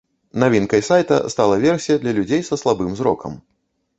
Навінкай сайта стала версія для людзей са слабым зрокам.